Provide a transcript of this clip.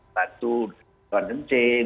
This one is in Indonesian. satu orang kencing